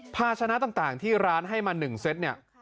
ภาชนะต่างที่ร้านให้มา๑เซตเนี่ย